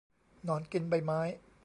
หนอนกินใบไม้